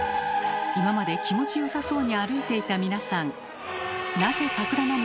今まで気持ちよさそうに歩いていた皆さん。